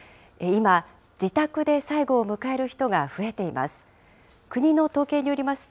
今、自宅で最期を迎える人が増えています。